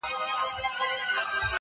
شپه او ورځ يې په كورونو كي ښادي وه -